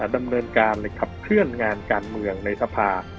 ดำเนินการขับเคลื่อนงานการเมืองในสภา